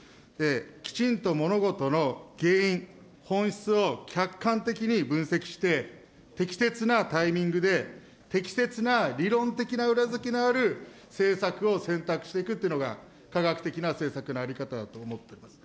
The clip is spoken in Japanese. きちんと物事の原因、本質を客観的に分析して、適切なタイミングで、適切な理論的な裏付けのある政策を選択していくっていうのが、科学的な政策の在り方だと思っています。